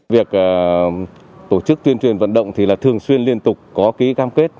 việc tổ chức tuyên truyền vận động thì là thường xuyên liên tục có ký cam kết